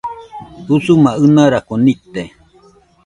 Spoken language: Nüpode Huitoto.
Usuma ɨnarako nite